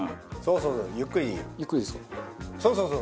そうそうそうそう！